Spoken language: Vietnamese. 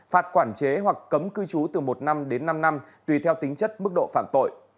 phạt quản chế hoặc cấm cư trú từ một năm đến năm năm tùy theo tính chất mức độ phạm tội